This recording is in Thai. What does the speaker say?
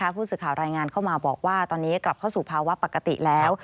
ผู้สื่อข่าวรายงานเข้ามาบอกว่าตอนนี้กลับเข้าสู่ภาวะปกติแล้ว